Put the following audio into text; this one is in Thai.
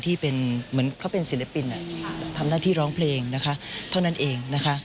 ที่เป็นเหมือนเขาเป็นศิลปินทำหน้าที่ร้องเพลงนะคะเท่านั้นเองนะคะ